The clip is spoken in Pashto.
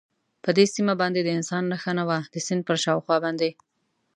پر دې سیمه باندې د انسان نښه نه وه، د سیند پر شاوخوا باندې.